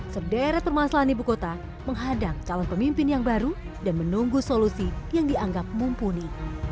sederet permasalahan ibu kota menghadang calon pemimpin yang baru dan menunggu solusi yang dianggap mumpuni